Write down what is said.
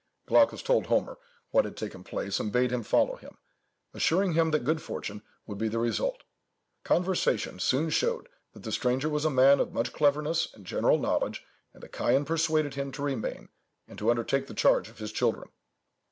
Glaucus told Homer what had taken place, and bade him follow him, assuring him that good fortune would be the result. Conversation soon showed that the stranger was a man of much cleverness and general knowledge, and the Chian persuaded him to remain, and to undertake the charge of his children.